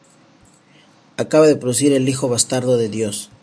Acaba de producir "El hijo bastardo de Dios".